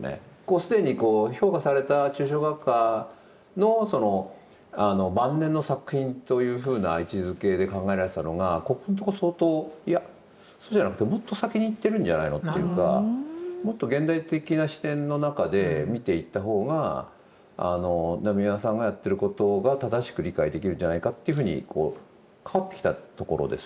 既に評価された抽象画家の晩年の作品というふうな位置づけで考えられてたのがここんとこ相当「いやそうじゃなくてもっと先にいってるんじゃないの」っていうかもっと現代的な視点の中で見ていった方が野見山さんがやってることが正しく理解できるんじゃないかっていうふうにこう変わってきたところですね。